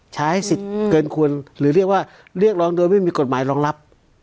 ใช้สิทธิ์เกินควรหรือเรียกว่าเรียกร้องโดยไม่มีกฎหมายรองรับ